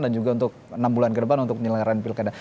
dan juga untuk enam bulan kedepan untuk penyelenggaraan pilkada